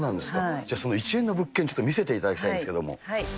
じゃあその１円の物件、見せていただきたいんですけれども。